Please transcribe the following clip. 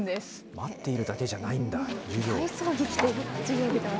待っているだけじゃないんだ、授業を。